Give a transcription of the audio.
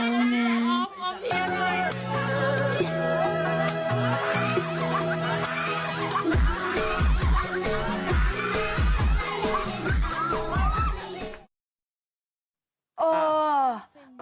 เอามาเทียบเลย